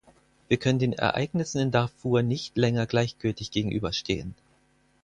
Wir können den Ereignissen in Darfur nicht länger gleichgültig gegenüberstehen.